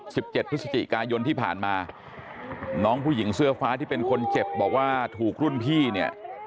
สิบเจ็ดพฤศจิกายนที่ผ่านมาน้องผู้หญิงเสื้อฟ้าที่เป็นคนเจ็บบอกว่าถูกรุ่นพี่เนี่ย